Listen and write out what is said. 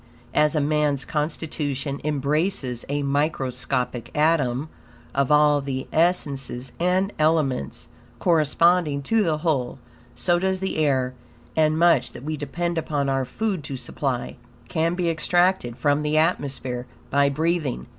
As man's constitution embraces a microscopic atom of all the essences and elements, corresponding to the whole; so does the air; and much, that we depend upon our food to supply, can be extracted from the atmosphere by breathing.